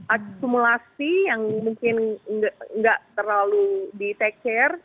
akumulasi yang mungkin nggak terlalu di take care